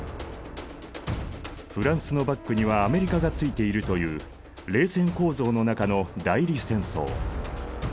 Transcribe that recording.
フランスのバックにはアメリカがついているという冷戦構造の中の代理戦争。